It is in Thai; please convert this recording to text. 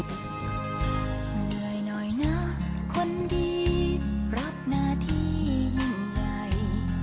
เหนื่อยหน่อยนะคนดีรับหน้าที่ยิ่งใหญ่